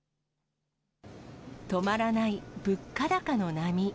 止まらない物価高の波。